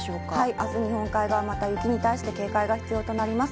あす、日本海側、また雪に対して警戒が必要となります。